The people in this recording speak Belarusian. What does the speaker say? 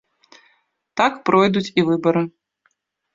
Так пройдуць і выбары.